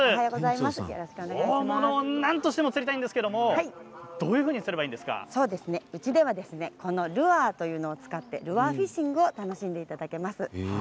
大物をなんとしても釣りたいんですけれどうちではこのルアーというものを使ってルアーフィッシングを楽しんでいただけます。